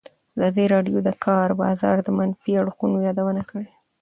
ازادي راډیو د د کار بازار د منفي اړخونو یادونه کړې.